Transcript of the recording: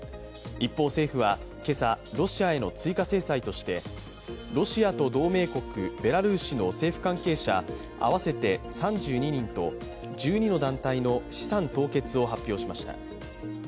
一方、政府は今朝、ロシアへの追加制裁としてロシアと同盟国ベラルーシの政府関係者合わせて３２人と１２の団体の資産凍結を発表しました。